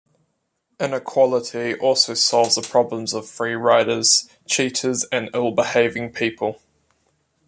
Inequality also solves the problems of free-riders, cheaters and ill-behaving people.